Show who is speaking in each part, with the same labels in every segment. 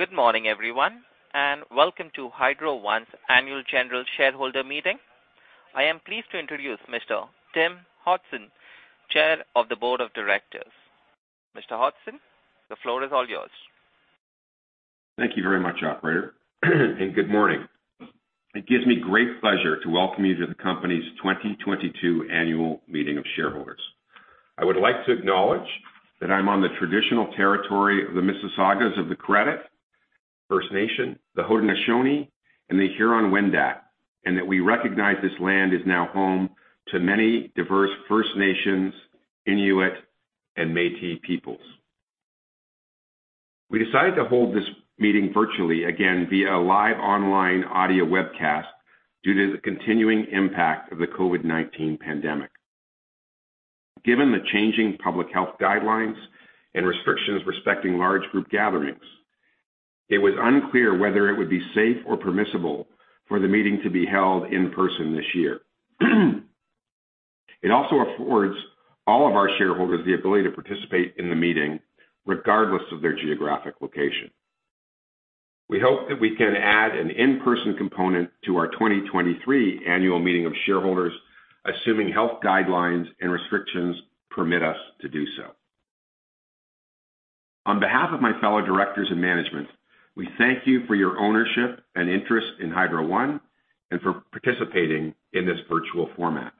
Speaker 1: Good morning, everyone, and welcome to Hydro One's annual general shareholder meeting. I am pleased to introduce Mr. Tim Hodgson, Chair of the Board of Directors. Mr. Hodgson, the floor is all yours.
Speaker 2: Thank you very much, operator, and good morning. It gives me great pleasure to welcome you to the company's 2022 annual meeting of shareholders. I would like to acknowledge that I'm on the traditional territory of the Mississaugas of the Credit First Nation, the Haudenosaunee, and the Huron Wendat, and that we recognize this land is now home to many diverse First Nations, Inuit, and Métis Peoples. We decided to hold this meeting virtually again via live online audio webcast due to the continuing impact of the COVID-19 pandemic. Given the changing public health guidelines and restrictions respecting large group gatherings, it was unclear whether it would be safe or permissible for the meeting to be held in person this year. It also affords all of our shareholders the ability to participate in the meeting regardless of their geographic location. We hope that we can add an in-person component to our 2023 annual meeting of shareholders, assuming health guidelines and restrictions permit us to do so. On behalf of my fellow directors and management, we thank you for your ownership and interest in Hydro One and for participating in this virtual format.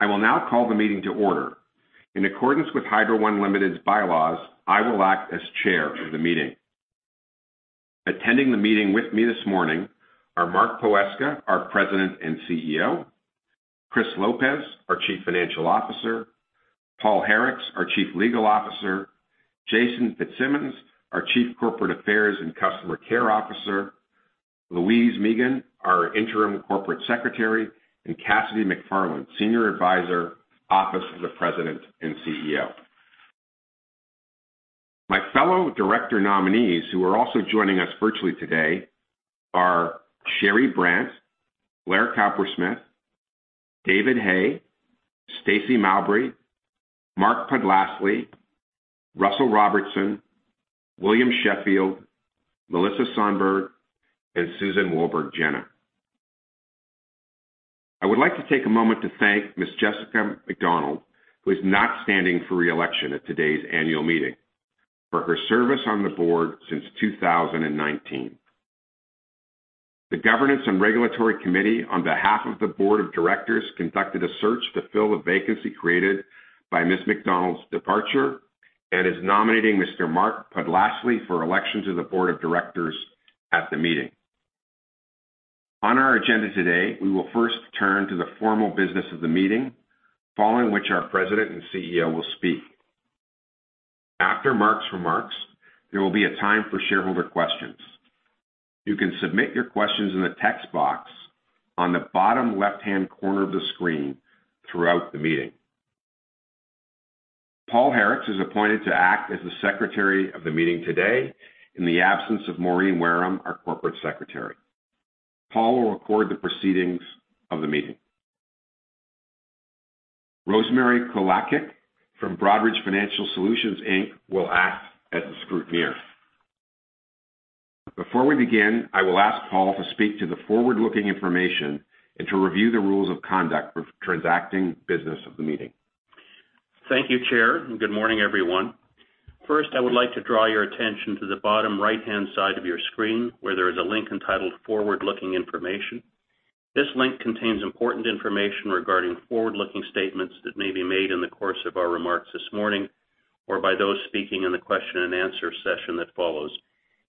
Speaker 2: I will now call the meeting to order. In accordance with Hydro One Limited's bylaws, I will act as chair of the meeting. Attending the meeting with me this morning are Mark Poweska, our President and CEO, Chris Lopez, our Chief Financial Officer, Paul Harricks, our Chief Legal Officer, Jason Fitzsimmons, our Chief Corporate Affairs and Customer Care Officer, Louise Meegan, our Interim Corporate Secretary, and Cassidy McFarland, Senior Advisor, Office of the President and CEO. My fellow director nominees, who are also joining us virtually today, are Cherie Brant, Blair Cowper-Smith, David Hay, Stacey Mowbray, Mark Podlasly, Russel Robertson, William Sheffield, Melissa Sonberg, and Susan Wolburgh Jenah. I would like to take a moment to thank Ms. Jessica McDonald, who is not standing for re-election at today's annual meeting, for her service on the board since 2019. The governance and regulatory committee, on behalf of the board of directors, conducted a search to fill the vacancy created by Ms. McDonald's departure and is nominating Mr. Mark Podlasly for election to the board of directors at the meeting. On our agenda today, we will first turn to the formal business of the meeting, following which our President and CEO will speak. After Mark's remarks, there will be a time for shareholder questions. You can submit your questions in the text box on the bottom left-hand corner of the screen throughout the meeting. Paul Harricks is appointed to act as the Secretary of the meeting today in the absence of Maureen Wareham, our Corporate Secretary. Paul will record the proceedings of the meeting. Rosemary Kolacik from Broadridge Financial Solutions, Inc. will act as the Scrutineer. Before we begin, I will ask Paul to speak to the forward-looking information and to review the rules of conduct for transacting business of the meeting.
Speaker 3: Thank you, Chair, and good morning, everyone. First, I would like to draw your attention to the bottom right-hand side of your screen, where there is a link entitled Forward-looking Information. This link contains important information regarding forward-looking statements that may be made in the course of our remarks this morning or by those speaking in the Q&A session that follows.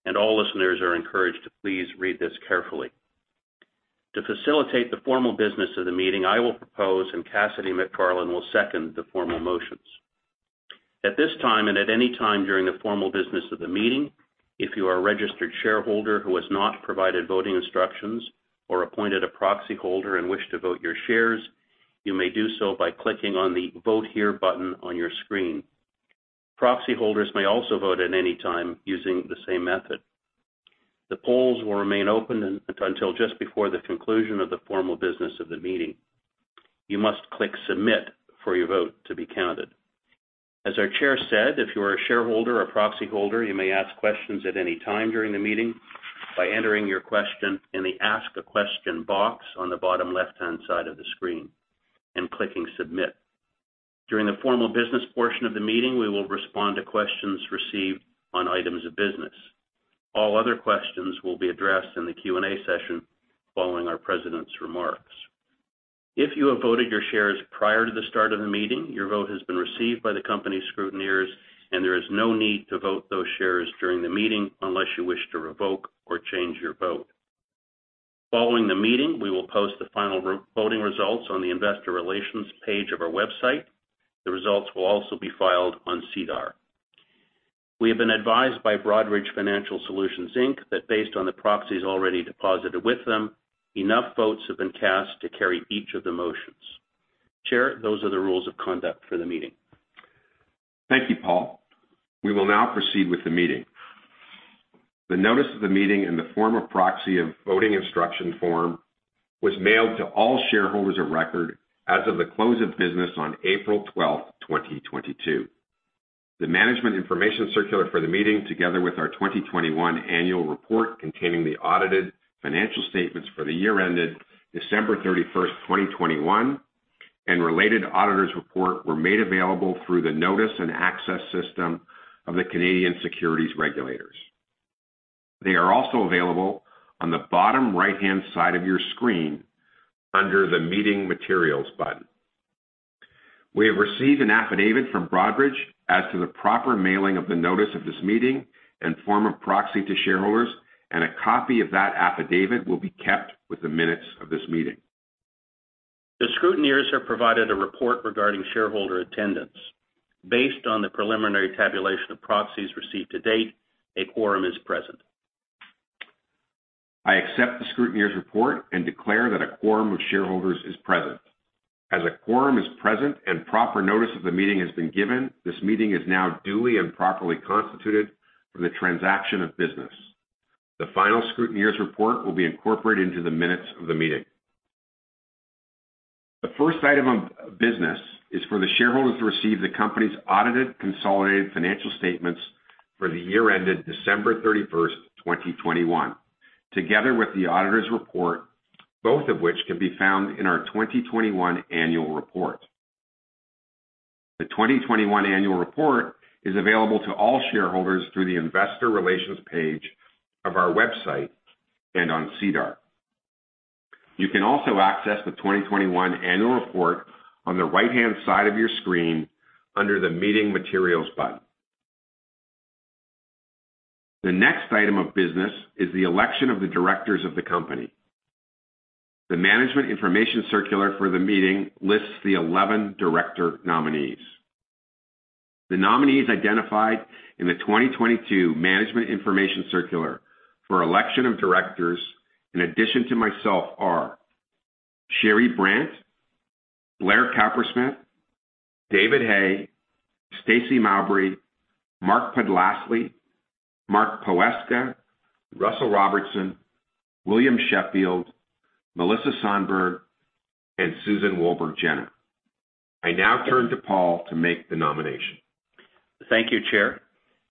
Speaker 3: All listeners are encouraged to please read this carefully. To facilitate the formal business of the meeting, I will propose and Cassidy McFarland will second the formal motions. At this time, and at any time during the formal business of the meeting, if you are a registered shareholder who has not provided voting instructions or appointed a proxy holder and wish to vote your shares, you may do so by clicking on the vote here button on your screen. Proxy holders may also vote at any time using the same method. The polls will remain open until just before the conclusion of the formal business of the meeting. You must click submit for your vote to be counted. As our chair said, if you are a shareholder or proxy holder, you may ask questions at any time during the meeting by entering your question in the ask a question box on the bottom left-hand side of the screen and clicking submit. During the formal business portion of the meeting, we will respond to questions received on items of business. All other questions will be addressed in the Q&A session following our president's remarks. If you have voted your shares prior to the start of the meeting, your vote has been received by the company scrutineers, and there is no need to vote those shares during the meeting unless you wish to revoke or change your vote. Following the meeting, we will post the final voting results on the investor relations page of our website. The results will also be filed on SEDAR. We have been advised by Broadridge Financial Solutions, Inc. that based on the proxies already deposited with them, enough votes have been cast to carry each of the motions. Chair, those are the rules of conduct for the meeting.
Speaker 2: Thank you, Paul. We will now proceed with the meeting. The notice of the meeting in the form of proxy and voting instruction form was mailed to all shareholders of record as of the close of business on April 12, 2022. The management information circular for the meeting, together with our 2021 annual report containing the audited financial statements for the year ended December 31st, 2021, and related auditor's report were made available through the notice and access system of the Canadian securities regulators. They are also available on the bottom right-hand side of your screen under the meeting materials button. We have received an affidavit from Broadridge as to the proper mailing of the notice of this meeting and form of proxy to shareholders, and a copy of that affidavit will be kept with the minutes of this meeting.
Speaker 3: The scrutineers have provided a report regarding shareholder attendance. Based on the preliminary tabulation of proxies received to date, a quorum is present.
Speaker 2: I accept the scrutineers report and declare that a quorum of shareholders is present. As a quorum is present and proper notice of the meeting has been given, this meeting is now duly and properly constituted for the transaction of business. The final scrutineers report will be incorporated into the minutes of the meeting. The first item of business is for the shareholders to receive the company's audited consolidated financial statements for the year ended December 31st, 2021, together with the auditor's report, both of which can be found in our 2021 annual report. The 2021 annual report is available to all shareholders through the investor relations page of our website and on SEDAR. You can also access the 2021 annual report on the right-hand side of your screen under the meeting materials button. The next item of business is the election of the directors of the company. The management information circular for the meeting lists the 11 director nominees. The nominees identified in the 2022 management information circular for election of directors in addition to myself are Cherie Brant, Blair Cowper-Smith, David Hay, Stacey Mowbray, Mark Podlasly, Mark Poweska, Russel Robertson, William Sheffield, Melissa Sonberg, and Susan Wolburgh Jenah. I now turn to Paul to make the nomination.
Speaker 3: Thank you, Chair.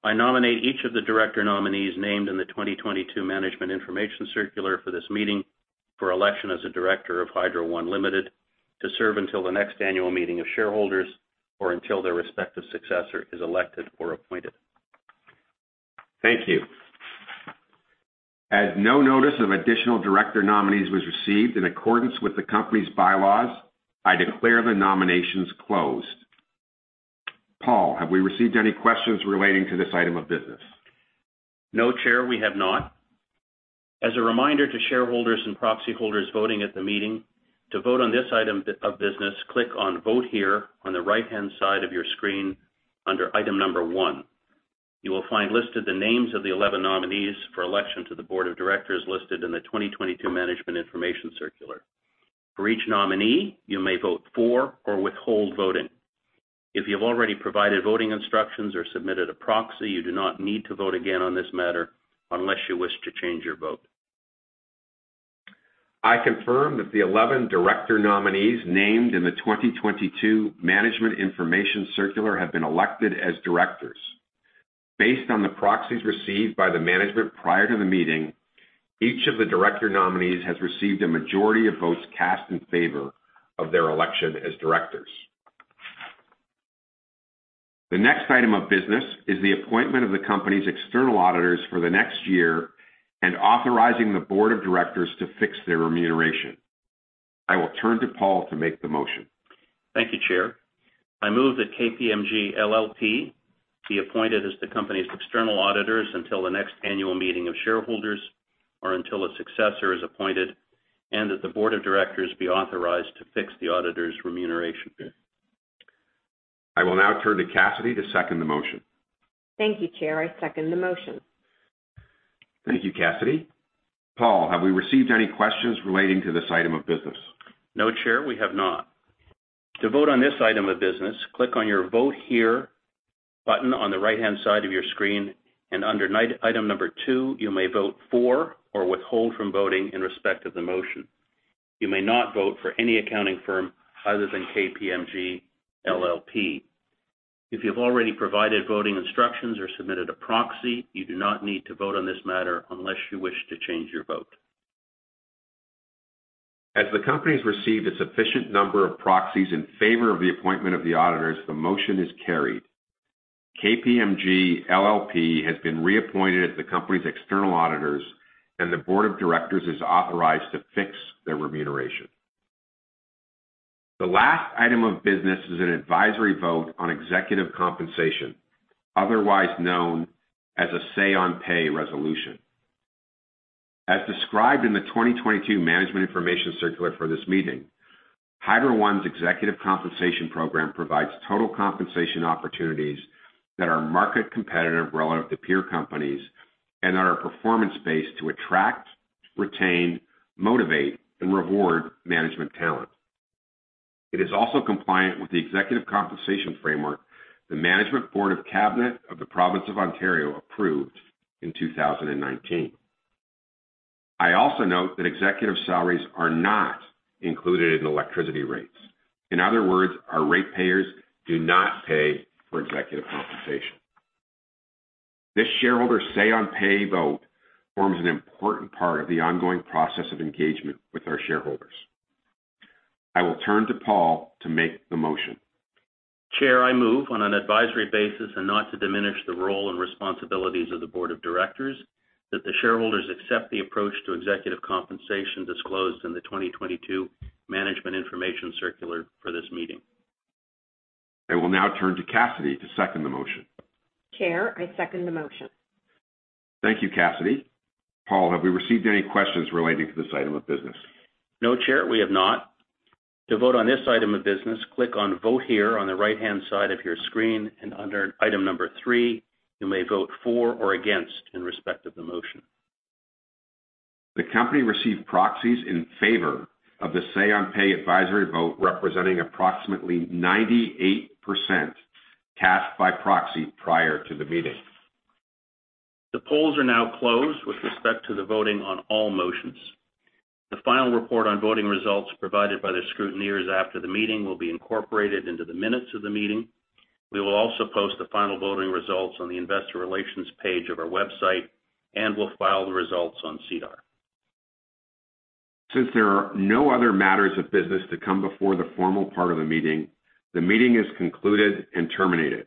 Speaker 3: I nominate each of the director nominees named in the 2022 management information circular for this meeting for election as a Director of Hydro One Limited to serve until the next annual meeting of shareholders or until their respective successor is elected or appointed.
Speaker 2: Thank you. As no notice of additional director nominees was received in accordance with the company's bylaws, I declare the nominations closed. Paul, have we received any questions relating to this item of business?
Speaker 3: No, Chair, we have not. As a reminder to shareholders and proxy holders voting at the meeting, to vote on this item of business, click on vote here on the right-hand side of your screen under item number one. You will find listed the names of the 11 nominees for election to the board of directors listed in the 2022 Management Information Circular. For each nominee, you may vote for or withhold voting. If you've already provided voting instructions or submitted a proxy, you do not need to vote again on this matter unless you wish to change your vote.
Speaker 2: I confirm that the 11 director nominees named in the 2022 management information circular have been elected as Directors. Based on the proxies received by the management prior to the meeting, each of the Director nominees has received a majority of votes cast in favor of their election as Directors. The next item of business is the appointment of the company's external auditors for the next year and authorizing the board of directors to fix their remuneration. I will turn to Paul to make the motion.
Speaker 3: Thank you, Chair. I move that KPMG LLP be appointed as the company's external auditors until the next annual meeting of shareholders or until a successor is appointed, and that the board of directors be authorized to fix the auditors' remuneration.
Speaker 2: I will now turn to Cassidy to second the motion.
Speaker 4: Thank you, Chair. I second the motion.
Speaker 2: Thank you, Cassidy. Paul, have we received any questions relating to this item of business?
Speaker 3: No, Chair, we have not. To vote on this item of business, click on your vote here button on the right-hand side of your screen, and under item number two, you may vote for or withhold from voting in respect of the motion. You may not vote for any accounting firm other than KPMG LLP. If you've already provided voting instructions or submitted a proxy, you do not need to vote on this matter unless you wish to change your vote.
Speaker 2: As the company's received a sufficient number of proxies in favor of the appointment of the auditors, the motion is carried. KPMG LLP has been reappointed as the company's external auditors, and the board of directors is authorized to fix their remuneration. The last item of business is an advisory vote on Executive Compensation, otherwise known as a Say-on-Pay resolution. As described in the 2022 Management Information Circular for this meeting, Hydro One's executive compensation program provides total compensation opportunities that are market competitive relative to peer companies and are performance-based to attract, retain, motivate, and reward management talent. It is also compliant with the executive compensation framework the Management Board of Cabinet of the Province of Ontario approved in 2019. I also note that executive salaries are not included in electricity rates. In other words, our ratepayers do not pay for executive compensation. This shareholder Say-on-Pay vote forms an important part of the ongoing process of engagement with our shareholders. I will turn to Paul to make the motion.
Speaker 3: Chair, I move on an advisory basis and not to diminish the role and responsibilities of the board of directors that the shareholders accept the approach to executive compensation disclosed in the 2022 Management Information Circular for this meeting.
Speaker 2: I will now turn to Cassidy to second the motion.
Speaker 4: Chair, I second the motion.
Speaker 2: Thank you, Cassidy. Paul, have we received any questions relating to this item of business?
Speaker 3: No, Chair, we have not. To vote on this item of business, click on vote here on the right-hand side of your screen, and under item number three, you may vote for or against in respect of the motion.
Speaker 2: The company received proxies in favor of the Say-on-Pay advisory vote, representing approximately 98% cast by proxy prior to the meeting.
Speaker 3: The polls are now closed with respect to the voting on all motions. The final report on voting results provided by the scrutineers after the meeting will be incorporated into the minutes of the meeting. We will also post the final voting results on the investor relations page of our website, and we'll file the results on SEDAR.
Speaker 2: Since there are no other matters of business to come before the formal part of the meeting, the meeting is concluded and terminated.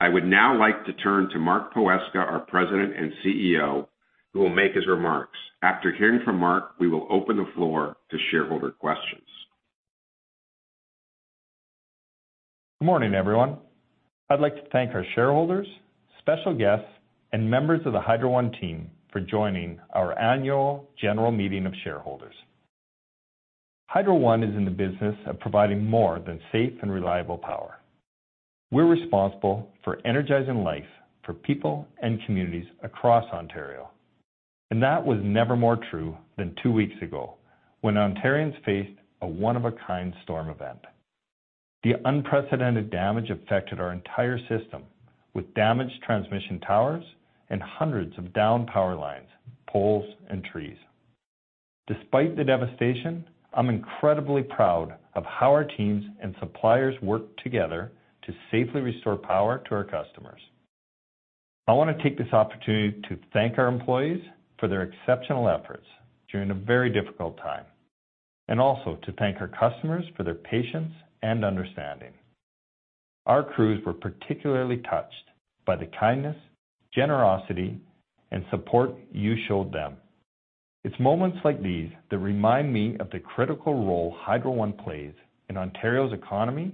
Speaker 2: I would now like to turn to Mark Poweska, our President and CEO, who will make his remarks. After hearing from Mark, we will open the floor to shareholder questions.
Speaker 5: Good morning, everyone. I'd like to thank our shareholders, special guests, and members of the Hydro One team for joining our annual general meeting of shareholders. Hydro One is in the business of providing more than safe and reliable power. We're responsible for energizing life for people and communities across Ontario, and that was never more true than two weeks ago when Ontarians faced a one-of-a-kind storm event. The unprecedented damage affected our entire system with damaged transmission towers and hundreds of downed power lines, poles, and trees. Despite the devastation, I'm incredibly proud of how our teams and suppliers worked together to safely restore power to our customers. I want to take this opportunity to thank our employees for their exceptional efforts during a very difficult time, and also to thank our customers for their patience and understanding. Our crews were particularly touched by the kindness, generosity, and support you showed them. It's moments like these that remind me of the critical role Hydro One plays in Ontario's economy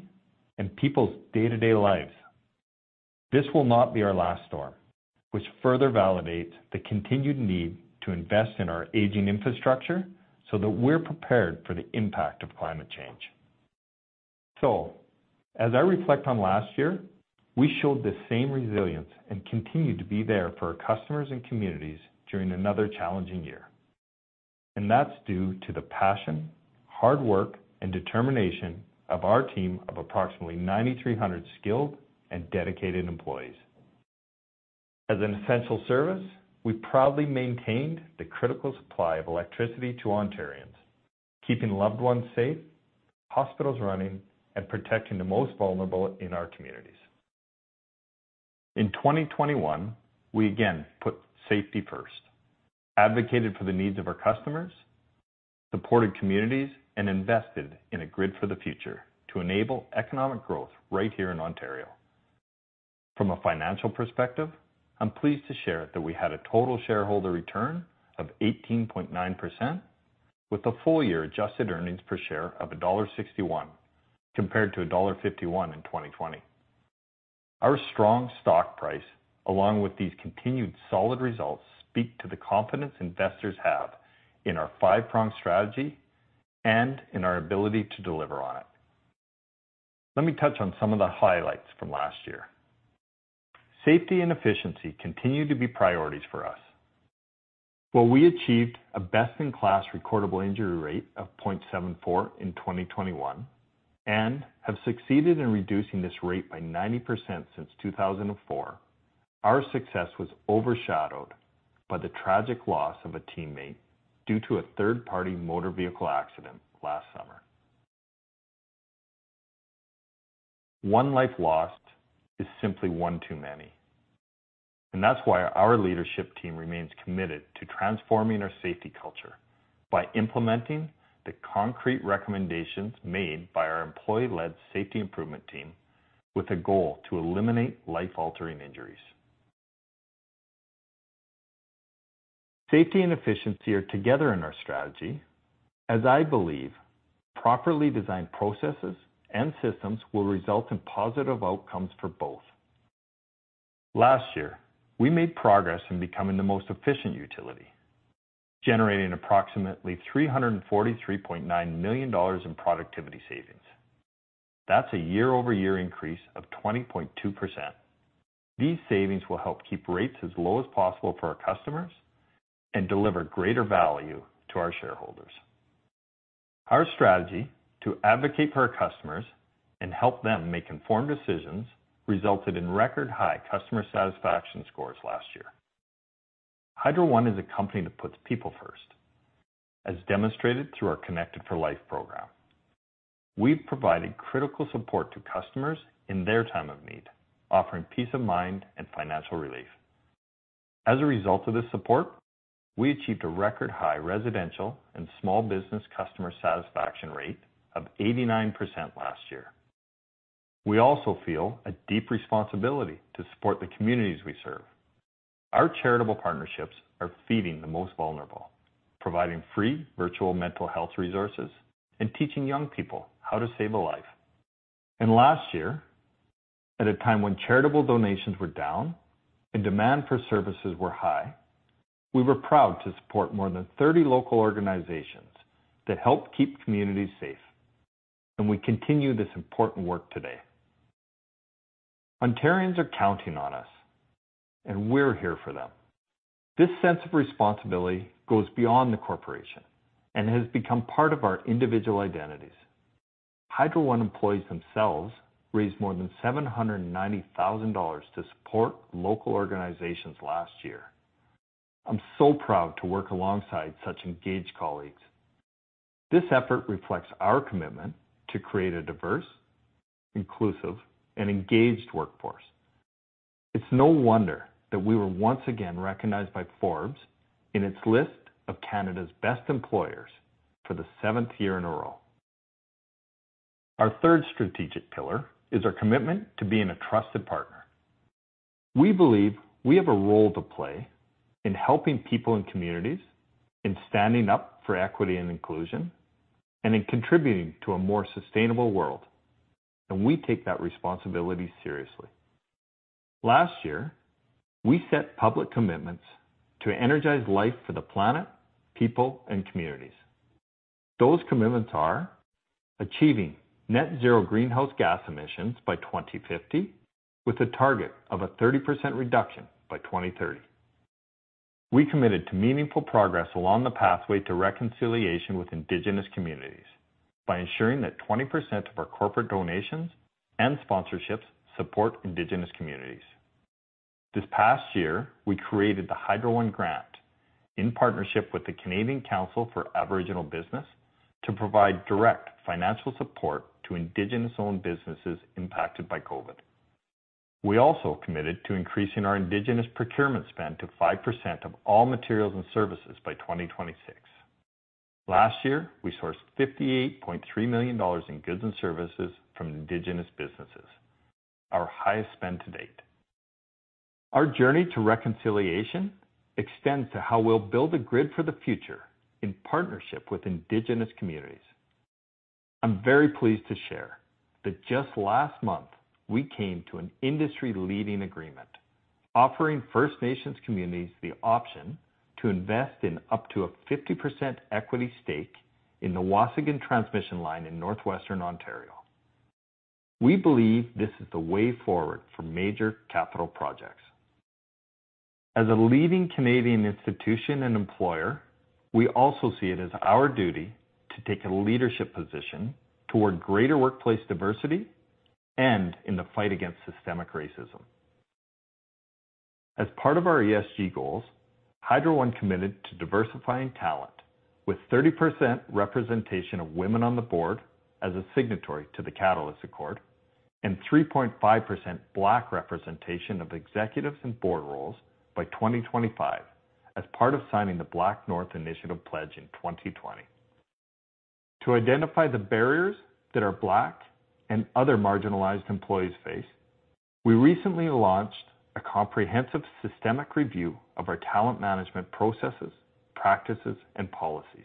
Speaker 5: and people's day-to-day lives. This will not be our last storm, which further validates the continued need to invest in our aging infrastructure so that we're prepared for the impact of climate change. As I reflect on last year, we showed the same resilience and continued to be there for our customers and communities during another challenging year. That's due to the passion, hard work, and determination of our team of approximately 9,300 skilled and dedicated employees. As an essential service, we proudly maintained the critical supply of electricity to Ontarians, keeping loved ones safe, hospitals running, and protecting the most vulnerable in our communities. In 2021, we again put safety first, advocated for the needs of our customers, supported communities, and invested in a grid for the future to enable economic growth right here in Ontario. From a financial perspective, I'm pleased to share that we had a total shareholder return of 18.9% with a full-year adjusted earnings per share of dollar 1.61 compared to dollar 1.51 in 2020. Our strong stock price, along with these continued solid results, speak to the confidence investors have in our five-pronged strategy and in our ability to deliver on it. Let me touch on some of the highlights from last year. Safety and efficiency continue to be priorities for us. While we achieved a best-in-class recordable injury rate of 0.74% in 2021 and have succeeded in reducing this rate by 90% since 2004, our success was overshadowed by the tragic loss of a teammate due to a third-party motor vehicle accident last summer. One life lost is simply one too many, and that's why our leadership team remains committed to transforming our safety culture by implementing the concrete recommendations made by our employee-led safety improvement team with a goal to eliminate life-altering injuries. Safety and efficiency are together in our strategy, as I believe properly designed processes and systems will result in positive outcomes for both. Last year, we made progress in becoming the most efficient utility, generating approximately 343.9 million dollars in productivity savings. That's a year-over-year increase of 20.2%. These savings will help keep rates as low as possible for our customers and deliver greater value to our shareholders. Our strategy to advocate for our customers and help them make informed decisions resulted in record high customer satisfaction scores last year. Hydro One is a company that puts people first, as demonstrated through our Connected for Life program. We've provided critical support to customers in their time of need, offering peace of mind and financial relief. As a result of this support, we achieved a record high residential and small business customer satisfaction rate of 89% last year. We also feel a deep responsibility to support the communities we serve. Our charitable partnerships are feeding the most vulnerable, providing free virtual mental health resources, and teaching young people how to save a life. Last year, at a time when charitable donations were down and demand for services were high, we were proud to support more than 30 local organizations that help keep communities safe, and we continue this important work today. Ontarians are counting on us, and we're here for them. This sense of responsibility goes beyond the corporation and has become part of our individual identities. Hydro One employees themselves raised more than 790,000 dollars to support local organizations last year. I'm so proud to work alongside such engaged colleagues. This effort reflects our commitment to create a diverse, inclusive, and engaged workforce. It's no wonder that we were once again recognized by Forbes in its list of Canada's Best Employers for the seventh year in a row. Our third strategic pillar is our commitment to being a trusted partner. We believe we have a role to play in helping people and communities, in standing up for equity and inclusion, and in contributing to a more sustainable world, and we take that responsibility seriously. Last year, we set public commitments to energize life for the planet, people, and communities. Those commitments are achieving net zero greenhouse gas emissions by 2050, with a target of a 30% reduction by 2030. We committed to meaningful progress along the pathway to reconciliation with Indigenous communities by ensuring that 20% of our corporate donations and sponsorships support Indigenous communities. This past year, we created the Hydro One grant in partnership with the Canadian Council for Aboriginal Business to provide direct financial support to Indigenous-owned businesses impacted by COVID. We also committed to increasing our Indigenous procurement spend to 5% of all materials and services by 2026. Last year, we sourced 58.3 million dollars in goods and services from Indigenous businesses, our highest spend to date. Our journey to reconciliation extends to how we'll build a grid for the future in partnership with Indigenous communities. I'm very pleased to share that just last month, we came to an industry-leading agreement offering First Nations communities the option to invest in up to a 50% equity stake in the Waasigan transmission line in Northwestern Ontario. We believe this is the way forward for major capital projects. As a leading Canadian institution and employer, we also see it as our duty to take a leadership position toward greater workplace diversity and in the fight against systemic racism. As part of our ESG goals, Hydro One committed to diversifying talent with 30% representation of women on the board as a signatory to the Catalyst Accord and 3.5% Black representation of executives and board roles by 2025 as part of signing the BlackNorth Initiative Pledge in 2020. To identify the barriers that our Black and other marginalized employees face, we recently launched a comprehensive systemic review of our talent management processes, practices, and policies.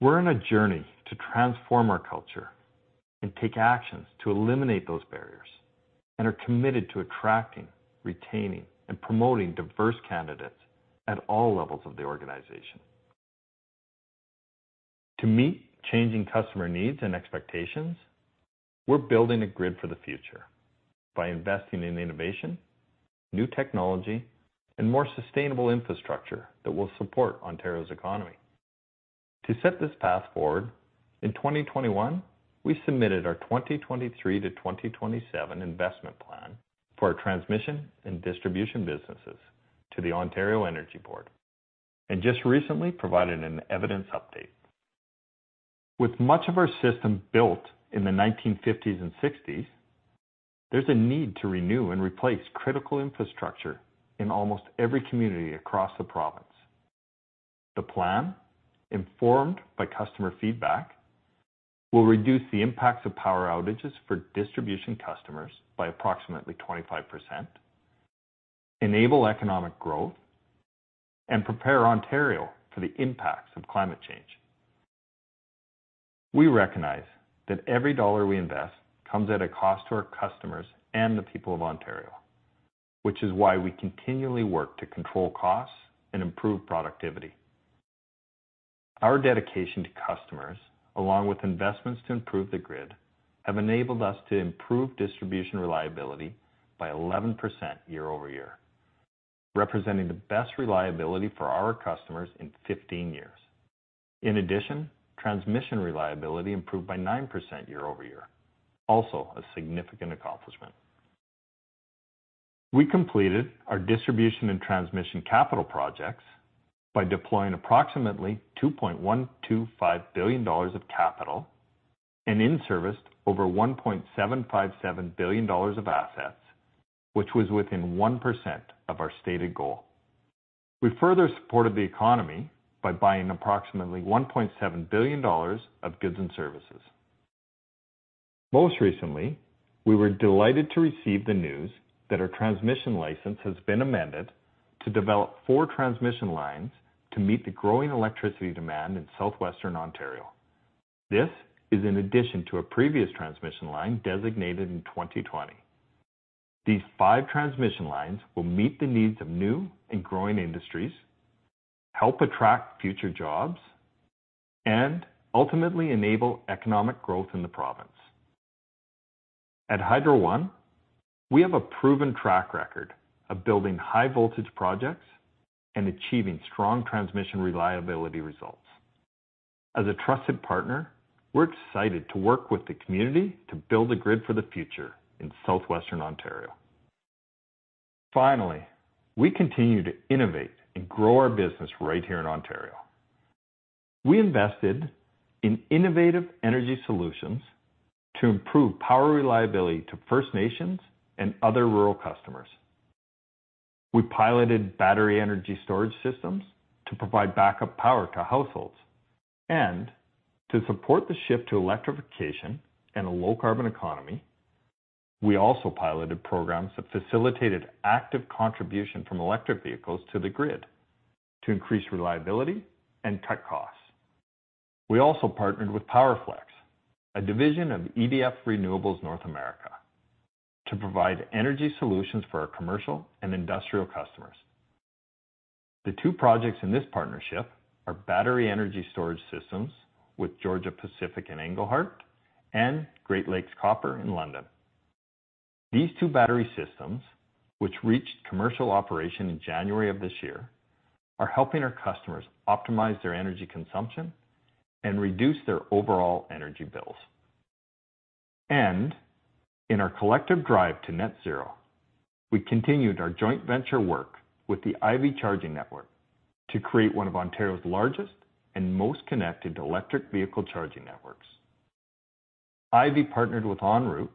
Speaker 5: We're on a journey to transform our culture and take actions to eliminate those barriers and are committed to attracting, retaining, and promoting diverse candidates at all levels of the organization. To meet changing customer needs and expectations, we're building a grid for the future by investing in innovation, new technology, and more sustainable infrastructure that will support Ontario's economy. To set this path forward, in 2021, we submitted our 2023-2027 investment plan for our transmission and distribution businesses to the Ontario Energy Board, and just recently provided an evidence update. With much of our system built in the 1950s and 1960s, there's a need to renew and replace critical infrastructure in almost every community across the province. The plan, informed by customer feedback, will reduce the impacts of power outages for distribution customers by approximately 25%, enable economic growth, and prepare Ontario for the impacts of climate change. We recognize that every dollar we invest comes at a cost to our customers and the people of Ontario, which is why we continually work to control costs and improve productivity. Our dedication to customers, along with investments to improve the grid, have enabled us to improve distribution reliability by 11% year-over-year, representing the best reliability for our customers in 15 years. In addition, transmission reliability improved by 9% year-over-year, also a significant accomplishment. We completed our distribution and transmission capital projects by deploying approximately 2.125 billion dollars of capital and in-serviced over 1.757 billion dollars of assets, which was within 1% of our stated goal. We further supported the economy by buying approximately 1.7 billion dollars of goods and services. Most recently, we were delighted to receive the news that our transmission license has been amended to develop four transmission lines to meet the growing electricity demand in Southwestern Ontario. This is in addition to a previous transmission line designated in 2020. These five transmission lines will meet the needs of new and growing industries, help attract future jobs, and ultimately enable economic growth in the province. At Hydro One, we have a proven track record of building high-voltage projects and achieving strong transmission reliability results. As a trusted partner, we're excited to work with the community to build a grid for the future in Southwestern Ontario. Finally, we continue to innovate and grow our business right here in Ontario. We invested in innovative energy solutions to improve power reliability to First Nations and other rural customers. We piloted battery energy storage systems to provide backup power to households. To support the shift to electrification and a low-carbon economy, we also piloted programs that facilitated active contribution from electric vehicles to the grid to increase reliability and cut costs. We also partnered with PowerFlex, a division of EDF Renewables North America, to provide energy solutions for our commercial and industrial customers. The two projects in this partnership are battery energy storage systems with Georgia-Pacific in Englehart and Great Lakes Copper in London. These two battery systems, which reached commercial operation in January of this year, are helping our customers optimize their energy consumption and reduce their overall energy bills. In our collective drive to net zero, we continued our joint venture work with the Ivy Charging Network to create one of Ontario's largest and most connected electric vehicle charging networks. Ivy partnered with ONroute,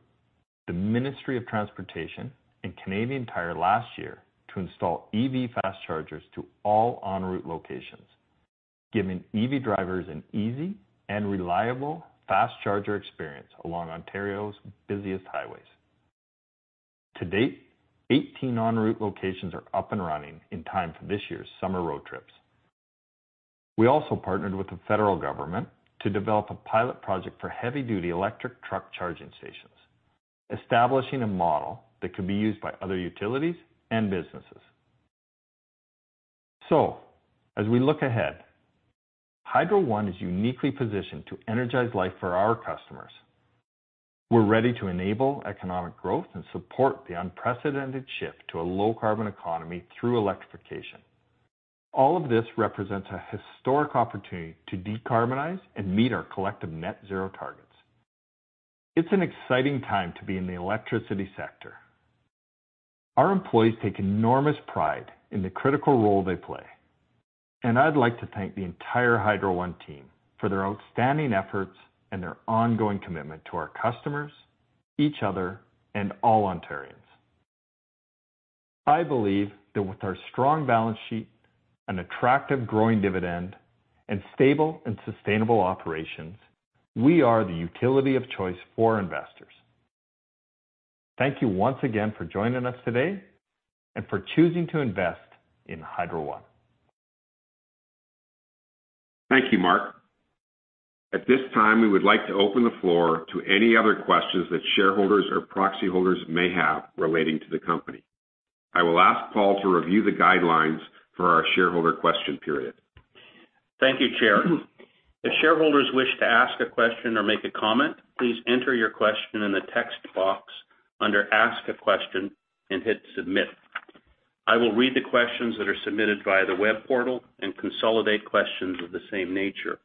Speaker 5: the Ministry of Transportation, and Canadian Tire last year to install EV fast chargers to all ONroute locations, giving EV drivers an easy and reliable fast charger experience along Ontario's busiest highways. To date, 18 ONroute locations are up and running in time for this year's summer road trips. We also partnered with the federal government to develop a pilot project for heavy-duty electric truck charging stations, establishing a model that could be used by other utilities and businesses. As we look ahead, Hydro One is uniquely positioned to energize life for our customers. We're ready to enable economic growth and support the unprecedented shift to a low-carbon economy through electrification. All of this represents a historic opportunity to decarbonize and meet our collective net zero targets. It's an exciting time to be in the electricity sector. Our employees take enormous pride in the critical role they play. I'd like to thank the entire Hydro One team for their outstanding efforts and their ongoing commitment to our customers, each other, and all Ontarians. I believe that with our strong balance sheet and attractive growing dividend and stable and sustainable operations, we are the utility of choice for investors. Thank you once again for joining us today and for choosing to invest in Hydro One.
Speaker 2: Thank you, Mark. At this time, we would like to open the floor to any other questions that shareholders or proxy holders may have relating to the company. I will ask Paul to review the guidelines for our shareholder question period.
Speaker 3: Thank you, Chair. If shareholders wish to ask a question or make a comment, please enter your question in the text box under ask a question and hit submit. I will read the questions that are submitted via the web portal and consolidate questions of the same nature.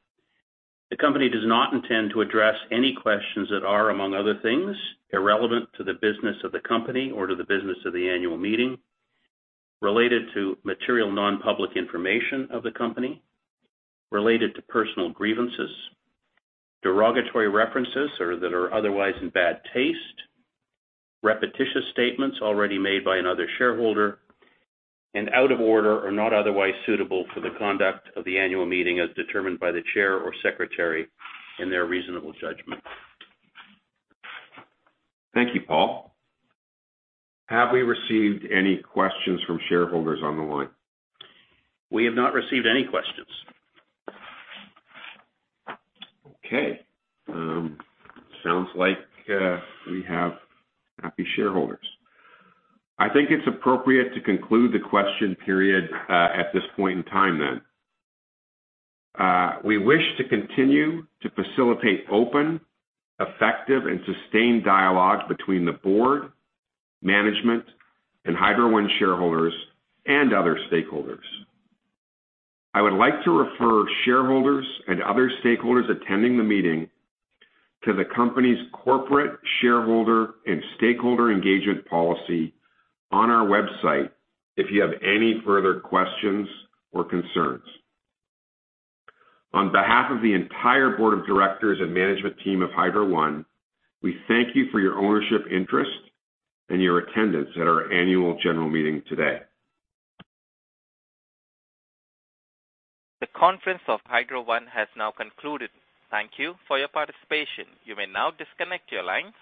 Speaker 3: The company does not intend to address any questions that are, among other things, irrelevant to the business of the company or to the business of the annual meeting, related to material non-public information of the company, related to personal grievances, derogatory references or that are otherwise in bad taste, repetitious statements already made by another shareholder, and out of order or not otherwise suitable for the conduct of the annual meeting, as determined by the chair or secretary in their reasonable judgment.
Speaker 2: Thank you, Paul. Have we received any questions from shareholders on the line?
Speaker 3: We have not received any questions.
Speaker 2: Okay. Sounds like we have happy shareholders. I think it's appropriate to conclude the question period at this point in time then. We wish to continue to facilitate open, effective, and sustained dialogue between the board, management, and Hydro One shareholders and other stakeholders. I would like to refer shareholders and other stakeholders attending the meeting to the company's corporate shareholder and stakeholder engagement policy on our website if you have any further questions or concerns. On behalf of the entire board of directors and management team of Hydro One, we thank you for your ownership interest and your attendance at our annual general meeting today.
Speaker 1: The conference call of Hydro One has now concluded. Thank you for your participation. You may now disconnect your lines.